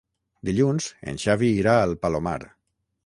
Dilluns en Xavi irà al Palomar.